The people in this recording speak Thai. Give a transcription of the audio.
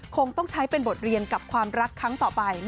คงต้องใช้เป็นบทเรียนกับความรักครั้งต่อไป